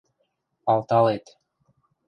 – Алталет..